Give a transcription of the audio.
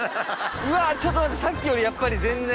うわちょっと待ってさっきよりやっぱり全然。